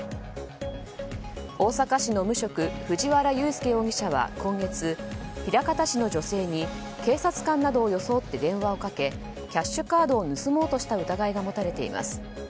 大阪市の無職藤原祐亮容疑者は今月枚方市の女性に警察官などを装って電話をかけキャッシュカードを盗もうとした疑いが持たれています。